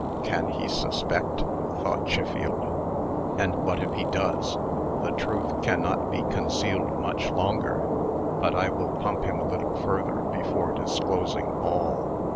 "Can he suspect?" thought Chiffield. "And what if he does? The truth cannot be concealed much longer. But I will pump him a little further before disclosing all."